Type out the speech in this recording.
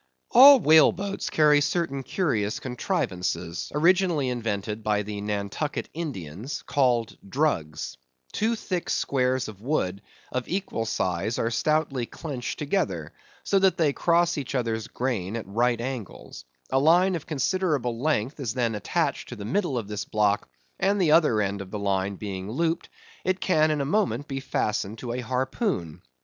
All whaleboats carry certain curious contrivances, originally invented by the Nantucket Indians, called druggs. Two thick squares of wood of equal size are stoutly clenched together, so that they cross each other's grain at right angles; a line of considerable length is then attached to the middle of this block, and the other end of the line being looped, it can in a moment be fastened to a harpoon.